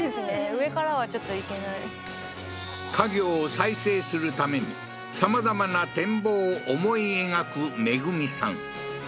上からはちょっと行けない家業を再生するために様々な展望を思い描くめぐみさん